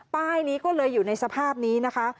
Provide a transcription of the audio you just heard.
ป้ายนี้ก็เลยอยู่ในสภาพนี้นะคะ